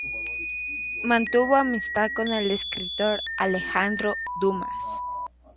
Mantuvo amistad con el escritor Alejandro Dumas.